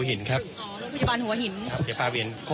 เหนื่อยก็